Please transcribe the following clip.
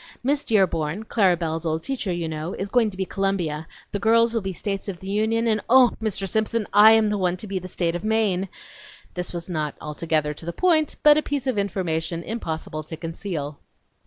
Miss Dearborn Clara Belle's old teacher, you know is going to be Columbia; the girls will be the States of the Union, and oh, Mr. Simpson, I am the one to be the State of Maine!" (This was not altogether to the point, but a piece of information impossible to conceal.)